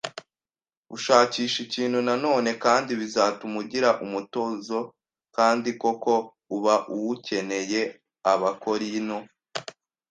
ushakisha ikintu Nanone kandi bizatuma ugira umutuzo kandi koko uba uwukeneye Abakorinto